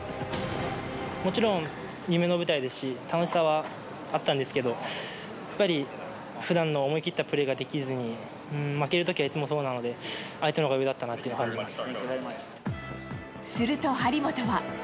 もちろん、夢の舞台ですし、楽しさはあったんですけど、やっぱりふだんの思い切ったプレーができずに、負けるときはいつもそうなので、すると張本は。